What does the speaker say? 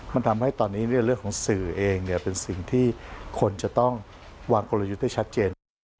มันทำให้ตอนนี้เรื่องของสื่อเองเป็นสิ่งที่คนจะต้องวางกลยุทธ์ได้ชัดเจนว่า